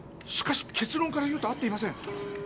しかしけつろんから言うと会っていません。